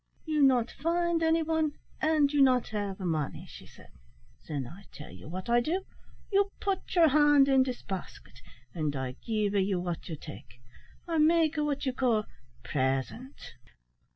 "You not find anyone, and you not have money," she said. "Then I tell you what I do; you put your hand in dis baskit, and I give you what you take; I make what you call 'present.